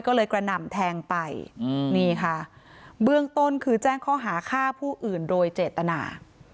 ก็เลยกระหน่ำแทงไปนี่ค่ะเบื้องต้นคือแจ้งข้อหาฆ่าผู้อื่นโดยเจตนา